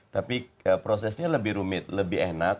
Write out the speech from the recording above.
tapi prosesnya lebih rumit lebih enak